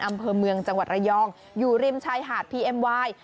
อำเภอเมืองจังหวัดระยองอยู่ริมชายหาดพีเอ็มไวน์